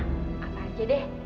apa aja deh